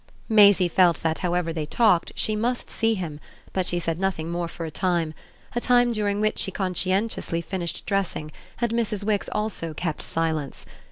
Maisie felt that however they talked she must see him, but she said nothing more for a time, a time during which she conscientiously finished dressing and Mrs. Wix also kept silence.